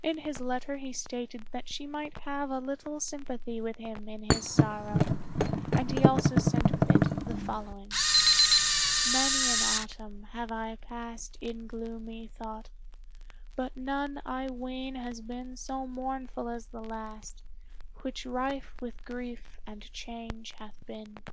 In his letter he stated that she might have a little sympathy with him in his sorrow, and he also sent with it the following: "Many an autumn have I past In gloomy thought, but none I ween Has been so mournful as the last, Which rife with grief and change hath been."